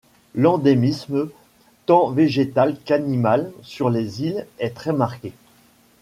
L'endémisme tant végétal qu'animal sur les îles est très marqué.